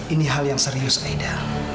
ini hal yang serius aida